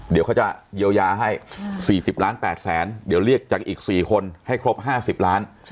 เดี๋ยวเขาจะเยียวยาให้๔๐ล้าน๘แสนเดี๋ยวเรียกจากอีก๔คนให้ครบ๕๐ล้าน